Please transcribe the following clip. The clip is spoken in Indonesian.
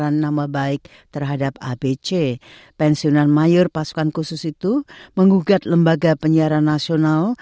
adalah tindakan kebiadaban belaga untuk menciptakan kekacauan